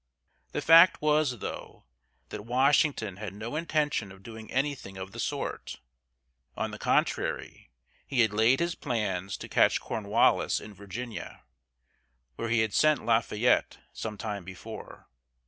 The fact was, though, that Washington had no intention of doing anything of the sort. On the contrary, he had laid his plans to catch Cornwallis in Virginia, where he had sent Lafayette some time before.